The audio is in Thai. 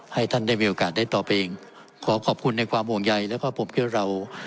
ให้ท่านได้มีโอกาสได้ตอบเองขอขอบคุณในความห่วงใยแล้วก็ผมคิดว่าเรา